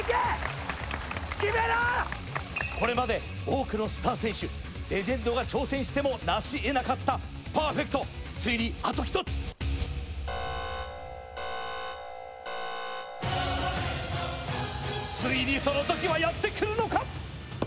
これまで多くのスター選手レジェンドが挑戦してもなしえなかったパーフェクトついにあと１つついにその時はやってくるのか？